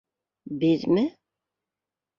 — Беҙме?